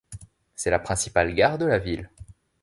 C'est la principale gare de la ville.